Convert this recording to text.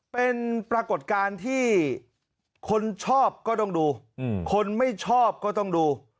เป็นปรากฏการณ์ที่คนชอบก็ต้องดูคนไม่ชอบก็ต้องดู